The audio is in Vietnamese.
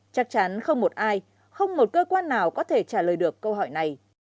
chắc chắn không một ai không một cơ quan nào có thể trả lời được câu hỏi này